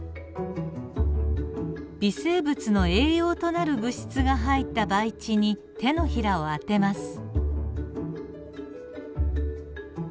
微生物の栄養となる物質が入った培地に手のひらを当てます。